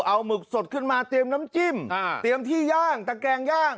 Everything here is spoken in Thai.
เอาหมึกสดขึ้นมาเตรียมน้ำจิ้มเตรียมที่ย่างตะแกงย่าง